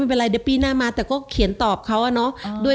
ไม่เป็นไรเดี๋ยวปีหน้ามาแต่ก็เขียนตอบเขาอะเนาะ